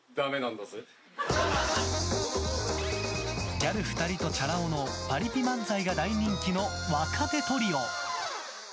ギャル２人とチャラ男のパリピ漫才が大人気の若手トリオ。